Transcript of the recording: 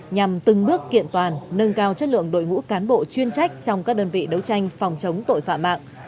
nhằm từng bước kiện toàn nâng cao chất lượng đội ngũ cán bộ chuyên trách trong các đơn vị đấu tranh phòng chống tội phạm mạng